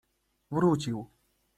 Wrócił.